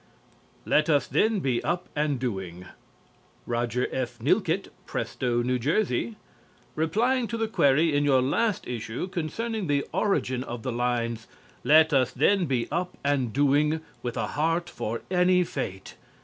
"LET US THEN BE UP AND DOING" Roger F. Nilkette, Presto, N.J. Replying to the query in your last issue concerning the origin of the lines: "_Let us then be up and doing, With a heart for any fate.